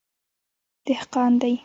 _دهقان دی.